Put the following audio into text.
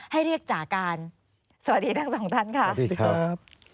ให้เรียกจากการสวัสดีทั้งสองท่านค่ะสวัสดีครับ